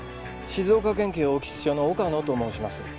静岡県警興津署の岡野と申します。